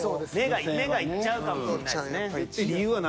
目がいっちゃうかもしんないすね。